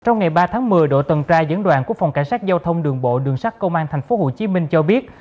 trong ngày ba tháng một mươi đội tần tra dẫn đoàn quốc phòng cảnh sát giao thông đường bộ đường sắt công an tp hcm cho biết